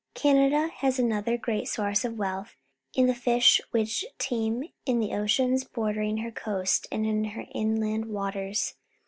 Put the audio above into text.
Can ada h a s ano ther great source of wealth in the fish which teem in the oceans bordering her coasts and in her inland waters.